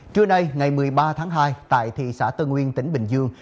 trưa nay ngày một mươi ba tháng hai tại thị xã tân nguyên tỉnh bình dương